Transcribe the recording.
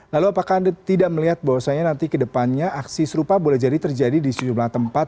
lalu apakah anda tidak melihat bahwasannya nanti ke depannya aksi serupa boleh jadi terjadi di sejumlah tempat